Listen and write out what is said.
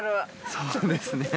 そうですね。